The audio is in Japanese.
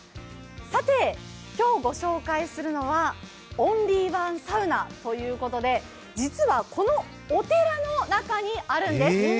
今日ご紹介するのはオンリーワンサウナということで実は、このお寺の中にあるんです。